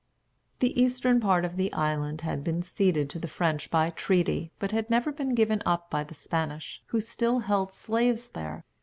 The eastern part of the island had been ceded to the French by treaty, but had never been given up by the Spanish, who still held slaves there.